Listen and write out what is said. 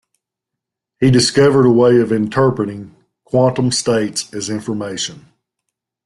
He discovered a way of interpreting quantum states as information.